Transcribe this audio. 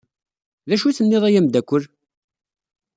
D acu ay tenniḍ a ameddakel?